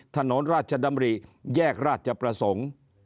ถนนราชดำริแยกราชประสงค์